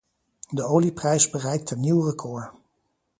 De olieprijs bereikt een nieuw record.